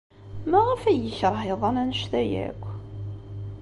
Maɣef ay yekṛeh iḍan anect-a akk?